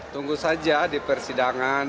tunggu saja di persidangan